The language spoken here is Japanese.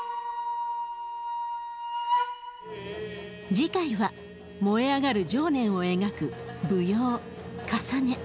次回は燃え上がる情念を描く舞踊「かさね」。